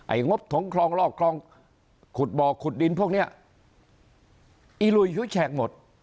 งบถงคลองลอกคลองขุดบ่อขุดดินพวกเนี้ยอีหลุยหิวแฉกหมด